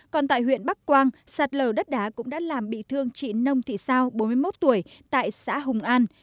còn tại huyện bắc quang sạt lở đất đá cũng đã làm bị thương chị nông thị sao bốn mươi một tuổi tại xã hùng an